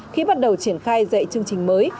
khi bắt đầu triển khai dạy chương trình mới